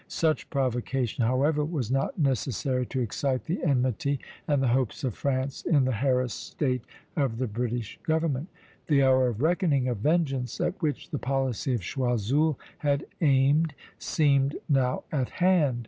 Such provocation, however, was not necessary to excite the enmity and the hopes of France in the harassed state of the British government. The hour of reckoning, of vengeance, at which the policy of Choiseul had aimed, seemed now at hand.